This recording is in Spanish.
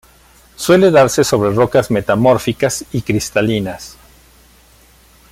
Suele darse sobre rocas metamórficas y cristalinas.